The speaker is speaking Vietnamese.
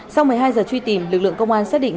sau một mươi hai giờ truy tìm lực lượng công an xác định